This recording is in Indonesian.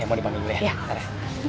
iya mau dipanggil ya